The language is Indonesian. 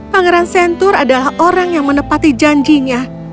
pangeran centur adalah orang yang menepati janjinya